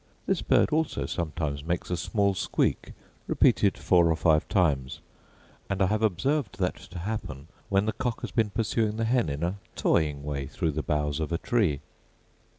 This bird also sometimes makes a small squeak, repeated four or five times; and I have observed that to happen when the cock has been pursuing the hen in a toying way through the boughs of a tree.